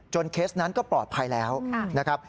เคสนั้นก็ปลอดภัยแล้วนะครับ